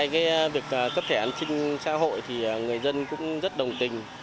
việc cấp thẻ an sinh xã hội thì người dân cũng rất đồng tình